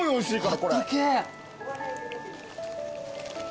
あったけえ！